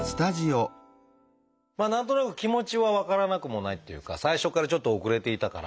まあ何となく気持ちは分からなくもないっていうか最初からちょっと遅れていたから。